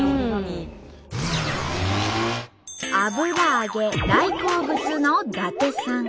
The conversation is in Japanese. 油揚げ大好物の伊達さん